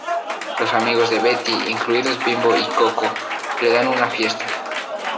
Los amigos de Betty, incluidos Bimbo y Koko, le dan una fiesta.